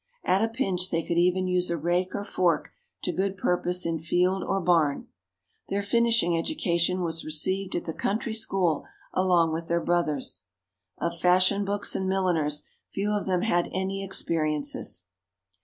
At a pinch, they could even use a rake or fork to good purpose in field or barn. Their finishing education was received at the country school along with their brothers. Of fashion books and milliners, few of them had any experiences.